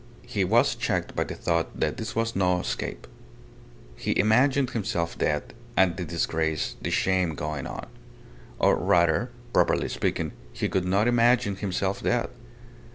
He was checked by the thought that this was no escape. He imagined himself dead, and the disgrace, the shame going on. Or, rather, properly speaking, he could not imagine himself dead.